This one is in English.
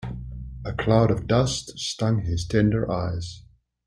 A cloud of dust stung his tender eyes.